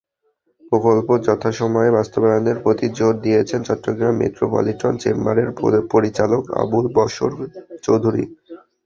প্রকল্প যথাসময়ে বাস্তবায়নের প্রতি জোর দিয়েছেন চট্টগ্রাম মেট্রোপলিটন চেম্বারের পরিচালক আবুল বশর চৌধুরী।